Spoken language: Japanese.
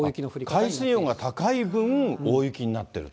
海水温が高い分、大雪になってると。